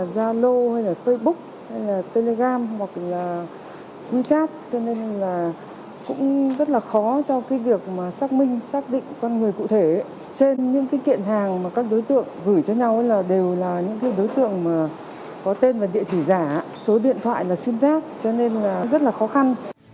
gửi cho nhau đều là những đối tượng có tên và địa chỉ giả số điện thoại là simz cho nên rất là khó khăn